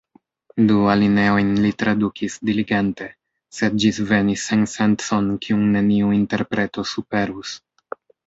Du alineojn li tradukis diligente, sed ĝisvenis sensencon kiun neniu interpreto superus.